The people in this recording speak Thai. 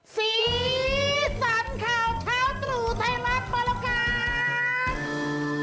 สีสันข่าวเช้าตรู่ไทยรัฐมาแล้วครับ